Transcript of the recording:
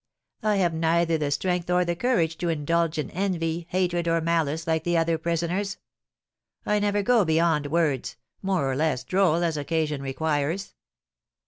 I have neither the strength or the courage to indulge in envy, hatred, or malice, like the other prisoners; I never go beyond words, more or less droll as occasion requires.